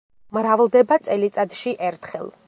მრავლდება წელიწადში ერთხელ.